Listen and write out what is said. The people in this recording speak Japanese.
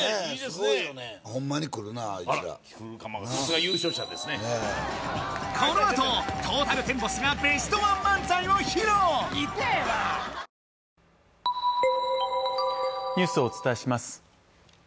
すごいよねあら来るかもこのあとトータルテンボスがベストワン漫才を披露ニュースをお伝えします